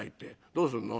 どうするの？」。